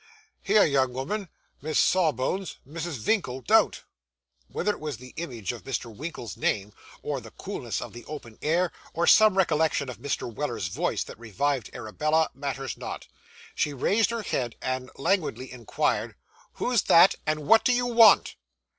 Here, young 'ooman, Miss Sawbones, Mrs. Vinkle, don't!' Whether it was the magic of Mr. Winkle's name, or the coolness of the open air, or some recollection of Mr. Weller's voice, that revived Arabella, matters not. She raised her head and languidly inquired, 'Who's that, and what do you want?